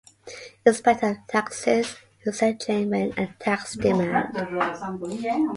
Inspector of Taxes, who sent Jane Wren a tax demand.